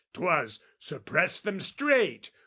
'Twas "Suppress them straight!